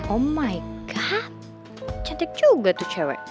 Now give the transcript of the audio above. oh my god cantik juga tuh cewek